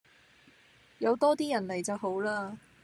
有多啲人嚟就好嘞